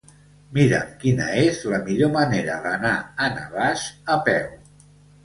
Mira'm quina és la millor manera d'anar a Navàs a peu.